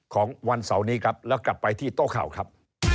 ของวันเสาร์นี้ครับแล้วกลับไปที่โต๊ะข่าวครับ